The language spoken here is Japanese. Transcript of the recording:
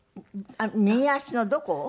右足のどこを？